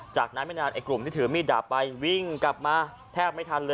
จากนั้นไม่นานไอ้กลุ่มที่ถือมีดดาบไปวิ่งกลับมาแทบไม่ทันเลย